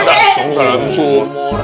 langsung dalam sumur